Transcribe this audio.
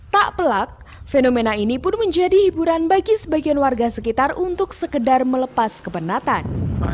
tak pelak fenomena ini pun menjadi hiburan bagi sebagian warga sekitar untuk sekedar melepas kepenatan